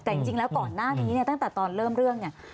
แต่จริงแล้วก่อนหน้านี้เนี่ยตั้งแต่ตอนเริ่มเรื่องเนี่ย